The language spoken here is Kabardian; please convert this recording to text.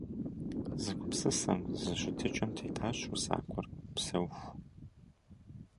Зы гупсысэм, зы щытыкӀэм тетащ усакӀуэр псэуху.